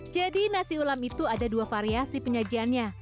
jadi nasi ulam itu ada dua variasi penyajiannya